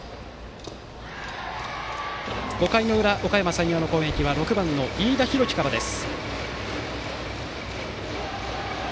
５回の裏、おかやま山陽の攻撃は６番の飯田大貴からです。